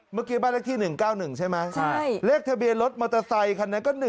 เมื่อกี้บ้านเลขที่๑๙๑ใช่ไหมเลขทะเบียนรถมอเตอร์ไซคันนั้นก็๑